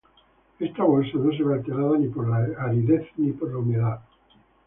Esta bolsa no se ve alterada ni por la aridez ni por la humedad.